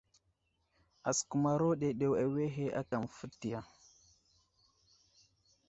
Asəkumaro ɗeɗew awehe aka məfətay.